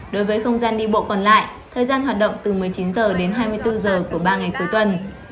đối với không gian đi bộ còn lại thời gian hoạt động từ một mươi chín h đến hai mươi bốn h của ba ngày cuối tuần